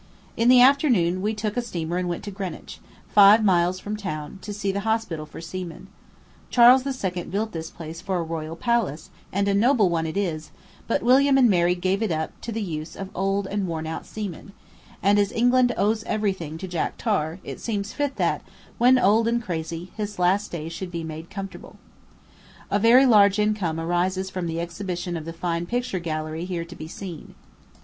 In the afternoon we took steamer and Went to Greenwich, five miles from town, to see the Hospital for Seamen. Charles II. built this place for a royal palace, and a noble one it is, but William and Mary gave it up to the use of old and worn out seamen; and as England owes every thing to Jack Tar, it seems fit that, when old and crazy, his last days should be made comfortable. A very large income arises from the exhibition of the fine picture gallery here to be seen.